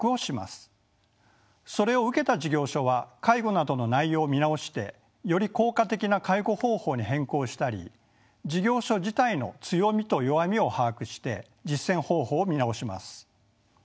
それを受けた事業所は介護などの内容を見直してより効果的な介護方法に変更したり事業所自体の強みと弱みを把握して実践方法を見直します。